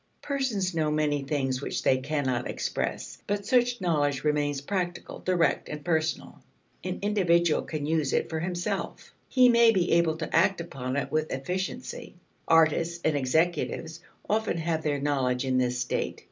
Persons know many things which they cannot express, but such knowledge remains practical, direct, and personal. An individual can use it for himself; he may be able to act upon it with efficiency. Artists and executives often have their knowledge in this state.